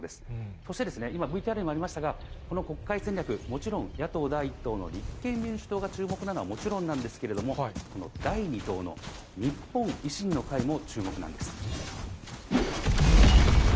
そして、今ＶＴＲにもありましたが、この国会戦略、もちろん野党第１党の立憲民主党が注目なのはもちろんなんですけれども、この第２党の日本維新の会も注目なんです。